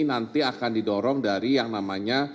nanti akan didorong dari yang namanya